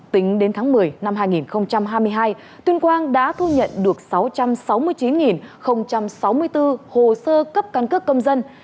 tính đến tháng một mươi năm hai nghìn hai mươi hai tuyên quang đã thu nhận được sáu trăm sáu mươi chín sáu mươi bốn hồ sơ cấp căn cước công dân